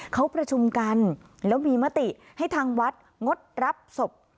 เขาประชุมกันแล้วมีมติให้ทางวัดงดรับศพ